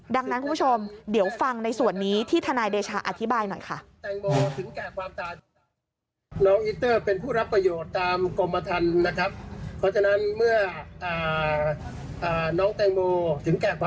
ดังนั้นคุณผู้ชมเดี๋ยวฟังในส่วนนี้ที่ทนายเดชาอธิบายหน่อยค่ะ